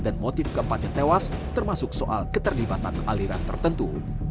dan motif keempatnya tewas termasuk soal keterlibatan aliran tertentu